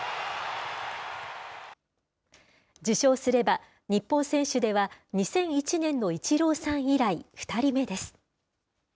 受賞すれば、日本選手では２００１年のイチローさん以来、２人目です。